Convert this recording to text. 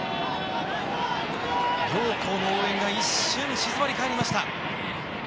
両校の応援が一瞬静まり返りました。